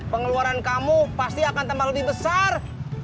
pengeluaran kamu pasti akan tambah lebih besar